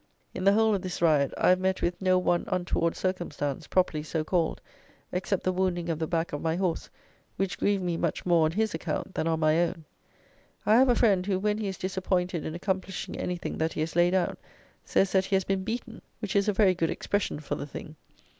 In the whole of this ride, I have met with no one untoward circumstance, properly so called, except the wounding of the back of my horse, which grieved me much more on his account than on my own. I have a friend, who, when he is disappointed in accomplishing anything that he has laid out, says that he has been beaten, which is a very good expression for the thing.